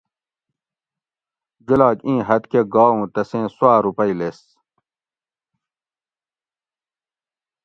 جولاگ اِیں حد کہ گا اُوں تسیں سُواۤ روپئ لیس